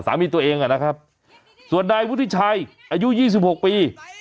สามีตัวเองอะนะครับส่วนใดผู้ที่ชายอายุยี่สิบหกปี